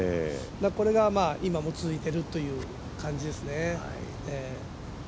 これが今も続いているという感じですね。